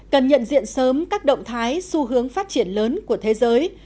cần nhận diện sớm các động thái xu hướng phát triển lớn của thế giới